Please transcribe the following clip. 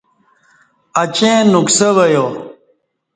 اچیں نکسہ وہ یا